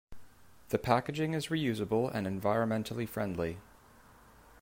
The packaging is reusable and environmentally friendly.